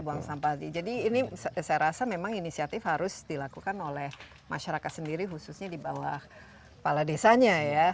buang sampah jadi ini saya rasa memang inisiatif harus dilakukan oleh masyarakat sendiri khususnya di bawah kepala desanya ya